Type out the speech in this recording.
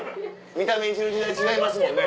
見た目いじる時代違いますもんね。